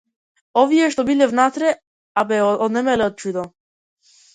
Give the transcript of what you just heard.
Овие што биле внатре, а бе онемеле од чудо.